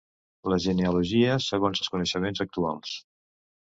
La genealogia segons els coneixements actuals.